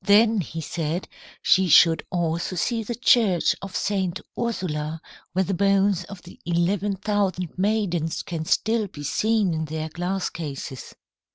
"Then he said she should also see the Church of Saint Ursula, where the bones of the eleven thousand maidens can still be seen in their glass cases."